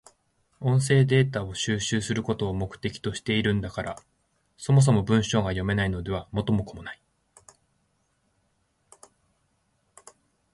音声データを収集することを目的としているんだから、そもそも文章が読めないのでは元も子もない。